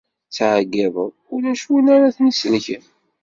Ttɛeyyiḍen, ulac win ara ten-isellken.